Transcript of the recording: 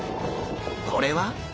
これは？